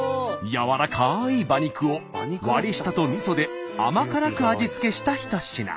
やわらかい馬肉をわりしたとみそで甘辛く味付けした一品。